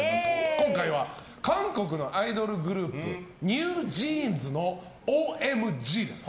今回は韓国のアイドルグループＮｅｗＪｅａｎｓの「ＯＭＧ」です。